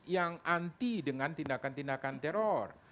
yang anti dengan tindakan tindakan teror